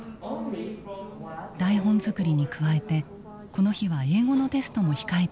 台本作りに加えてこの日は英語のテストも控えていました。